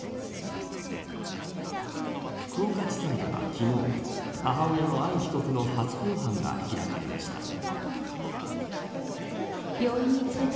福岡地裁では昨日母親の藍被告の初公判が開かれました。